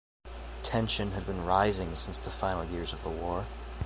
Tension had been rising since the final years of the war.